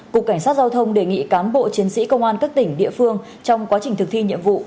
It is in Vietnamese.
cục cảnh sát giao thông đề nghị cán bộ chiến sĩ công an các tỉnh địa phương trong quá trình thực thi nhiệm vụ